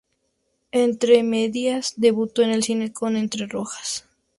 Entre medias debutó en el cine con "Entre rojas".